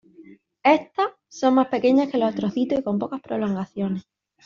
Estas, son más pequeñas que los astrocitos y con pocas prolongaciones.